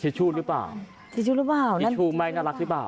ชูหรือเปล่าทิชชู่หรือเปล่าทิชชูไม่น่ารักหรือเปล่า